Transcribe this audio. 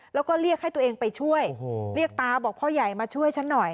แล้วก็เรียกให้ตัวเองไปช่วยเรียกตาบอกพ่อใหญ่มาช่วยฉันหน่อย